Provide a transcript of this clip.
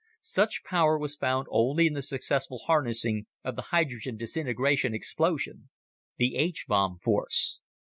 Such power was found only in the successful harnessing of the hydrogen disintegration explosion the H bomb force.